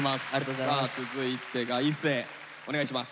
さあ続いて一世お願いします。